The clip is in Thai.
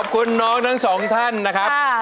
น้องทั้งสองท่านนะครับ